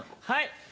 はい。